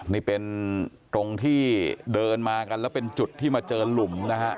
นี่เป็นตรงที่เดินมากันแล้วเป็นจุดที่มาเจอหลุมนะฮะ